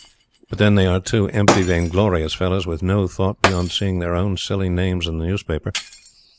But then they are two empty, vainglorious fellows with no thought beyond seeing their silly names in the newspaper.